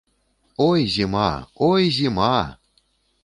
Ой, зіма, ой, зіма!